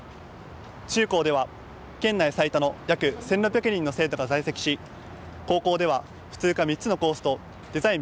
中高では、県内最多の約１６００人の生徒が在籍し高校では普通科３つのコースとデザイン